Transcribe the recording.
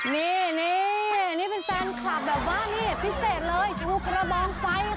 นี่นี่เป็นแฟนคลับแบบว่านี่พิเศษเลยชูกระบองไฟ